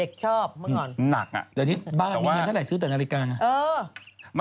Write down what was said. เด็กชอบมาก่อนนักอ่ะแต่ว่าแต่ว่านี่บ้านมีเงินเท่าไหร่ซื้อแต่นาฬิกาน่ะ